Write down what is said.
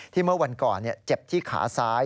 เมื่อวันก่อนเจ็บที่ขาซ้าย